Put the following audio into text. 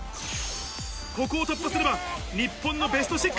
ここを突破すれば日本のベスト６！